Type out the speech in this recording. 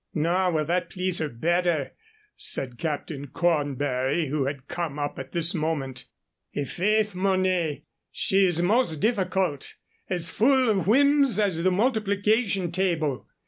"Nor will that please her better," said Captain Cornbury, who had come up at this moment. "I' faith, Mornay, she's most difficult as full of whims as the multiplication table.